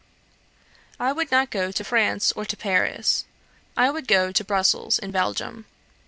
"I would not go to France or to Paris. I would go to Brussels, in Belgium.